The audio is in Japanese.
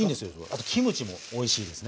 あとキムチもおいしいですね。